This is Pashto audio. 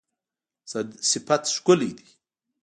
صفت ښکلی دی